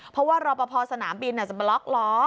เพราะว่ารอปภสนามบินจะมาล็อกล้อ